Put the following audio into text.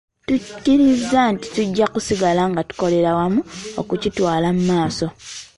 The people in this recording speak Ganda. Tukkiriza nti tujja kusigala nga tukolera wamu okukitwala mu maaso.